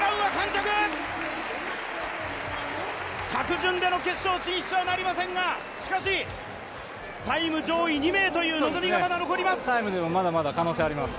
着順での決勝進出はなりませんが、しかしタイム上位２名という望みがまだ残ります。